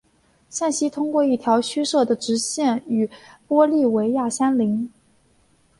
向西通过一条虚设的直线与玻利维亚相邻。